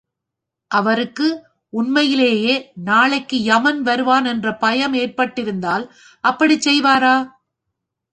அவருக்கு உண்மையிலேயே நாளைக்கு யமன் வருவான் என்ற பயம் ஏற்பட்டிருந்தால் அப்படிச் செய்வாரா?